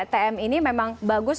tm ini memang bagus